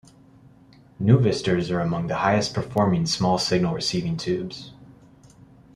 Nuvistors are among the highest performing small signal receiving tubes.